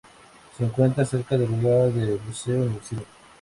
Se encuentra cerca del lugar de buceo "Universidad".